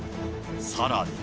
さらに。